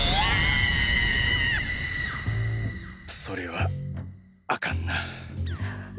それはあかんな。